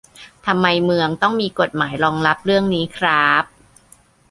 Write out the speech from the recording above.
ทำไมเมืองต้องมีกฎหมายรองรับเรื่องนี้คร้าบ